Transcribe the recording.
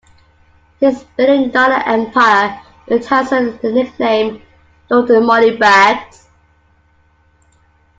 His billion-dollar empire earned Hanson the nickname "Lord Moneybags".